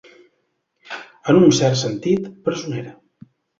En un cert sentit, presonera.